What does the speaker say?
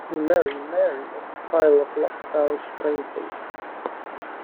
He married Mary at the Kyle of Loch Alsh train station.